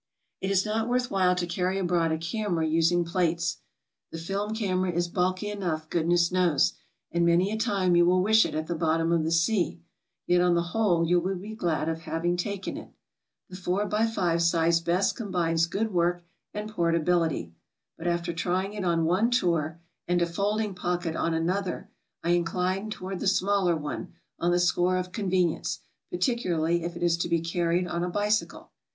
It is not worth while to carry abroiad a camera using plates; the film camera is bulky enough, goodness knows, and many a time you will wdsh it at the bottom of the sea, yet on the whole you will be glad of having taken it. The 4x5 size best combines good work and portability , but after trying it on one tour and a ^'folding pocket" on an other, I incline toward the smaller one on the score of con venience, particularly if it is to be carried on a bicycle.